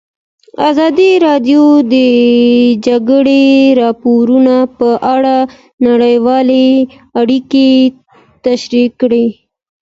ازادي راډیو د د جګړې راپورونه په اړه نړیوالې اړیکې تشریح کړي.